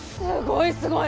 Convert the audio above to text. すごい！